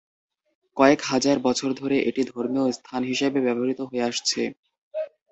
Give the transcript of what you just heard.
কয়েক হাজার বছর ধরে এটি ধর্মীয় স্থান হিসেবে ব্যবহৃত হয়ে আসছে।